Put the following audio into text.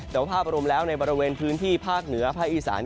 แต่ว่าภาพรวมแล้วในบริเวณพื้นที่ภาคเหนือภาคอีสาน